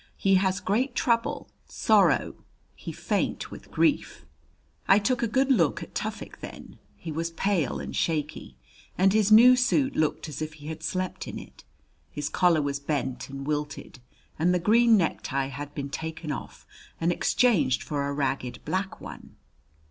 "He has great trouble sorrow; he faint with grief." I took a good look at Tufik then. He was pale and shaky, and his new suit looked as if he had slept in it. His collar was bent and wilted, and the green necktie had been taken off and exchanged for a ragged black one.